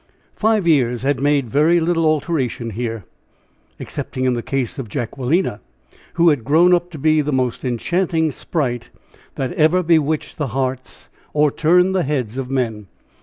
Five years had made very little alteration here, excepting in the case of Jacquelina, who had grown up to be the most enchanting sprite that ever bewitched the hearts, or turned the heads of men.